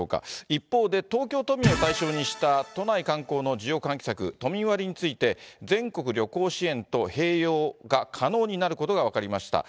一方で、東京都民を対象にした都内観光の需要喚起策、都民割について、全国旅行支援と併用が可能になることが分かりました。